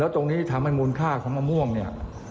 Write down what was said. ตรงนี้ทำให้มูลค่าของมะม่วงเนี่ย